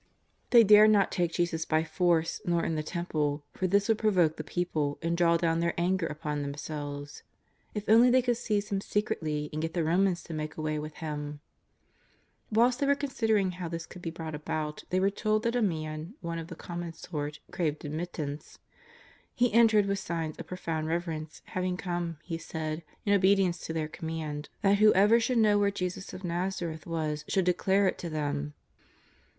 They dared not take Jesus by force nor in the Temple; for this would pro voke the people and draw do^^^l their anger upon them selves. If only they could seize Him secretly and get the Romans to make away with Him ! Whilst they were considering how this could be brought about, they were told that a man, one of the common sort, craved admittance. He entered with signs of profound reverence, having come, he said, in obedience to their command that whoever should know where Jesus of Nazareth was should declare it to them.